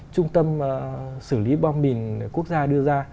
trung tâm xử lý bom mìn quốc gia đưa ra